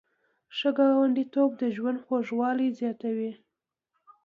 ښه ګاونډیتوب د ژوند خوږوالی زیاتوي.